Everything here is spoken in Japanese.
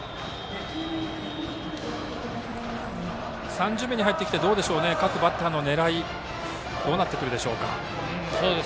３巡目に入ってきて各バッターの狙いどうなってくるでしょうか。